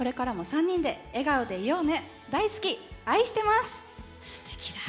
すてきだ！